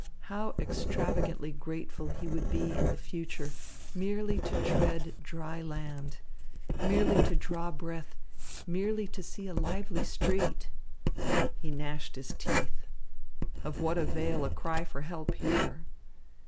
How extravagantly grateful he would be in the future merely to tread dry land, merely to draw breath, merely to see a lively street! He gnashed his teeth. Of what avail a cry for help here?